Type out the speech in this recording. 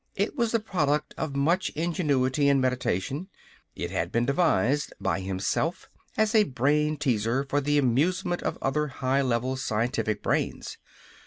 It was the product of much ingenuity and meditation. It had been devised by himself as a brain teaser for the amusement of other high level scientific brains.